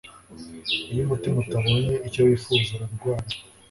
Iyo umutima utabonye icyo wifuza urarwara